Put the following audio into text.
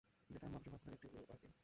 যেটা মানসিক অসুস্থতার একটা রূপ আরকি।